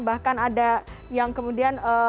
bahkan ada yang kemudian